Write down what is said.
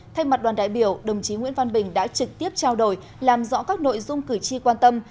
thay mặt đoàn đại biểu đồng chí nguyễn văn bình đã trực tiếp trao đổi làm rõ các nội dung cử tri quan tâm